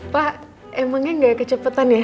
pak emangnya gak kecepetan ya